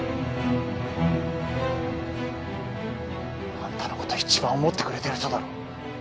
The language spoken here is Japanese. あんたのこと一番思ってくれてる人だろ。